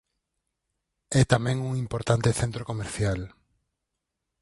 É tamén un importante centro comercial.